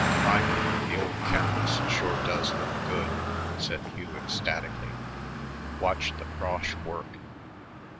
"Criminy, the ol' campus sure does look good," said Hugh ecstatically. "Watch the frosh work."